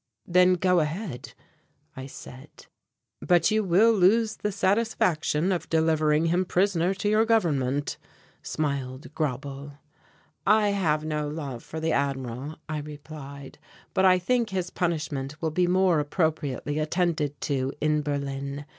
"Then go ahead," I said. "But you will lose the satisfaction of delivering him prisoner to your government," smiled Grauble. "I have no love for the Admiral," I replied, "but I think his punishment will be more appropriately attended to in Berlin.